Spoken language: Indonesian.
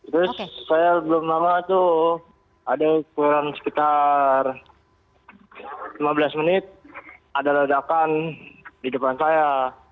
terus saya belum lama itu ada ukuran sekitar lima belas menit ada ledakan di depan saya